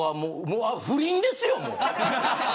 もう不倫ですよ。